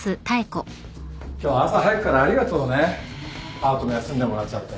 パートも休んでもらっちゃって。